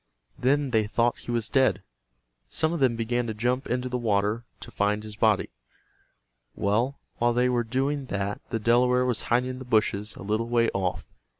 Then they thought he was dead. Some of them began to jump into the water to find his body. Well, while they were doing that the Delaware was hiding in the bushes a little way off.